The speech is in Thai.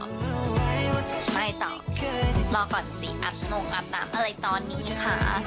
เดี๋ยวก่อนซิอับหนุงอะไรตอนนี้ค่ะ